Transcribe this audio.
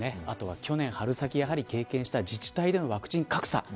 あとは去年春先、経験した自治体のワクチン格差